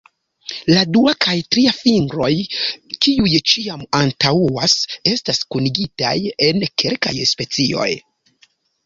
La dua kaj tria fingroj, kiuj ĉiam antaŭas, estas kunigitaj en kelkaj specioj.